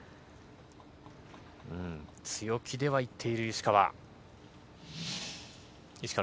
強気ではいっている石川。